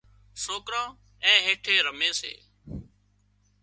سوڪران اين هيٺي رمي سي